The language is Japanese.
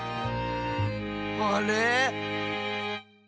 あれ？